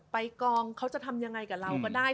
กองเขาจะทำยังไงกับเราก็ได้